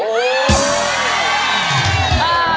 แหละนะครับ